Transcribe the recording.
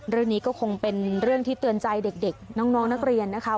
เรื่องนี้ก็คงเป็นเรื่องที่เตือนใจเด็กน้องนักเรียนนะคะ